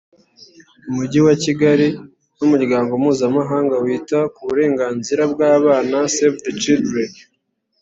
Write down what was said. umujyi wa Kigali n’umuryango mpuzamahanga wita ku burenganzira bw’abana Save The Children